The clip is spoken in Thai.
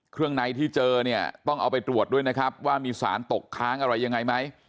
ในที่เจอเนี่ยต้องเอาไปตรวจด้วยนะครับว่ามีสารตกค้างอะไรยังไงไหม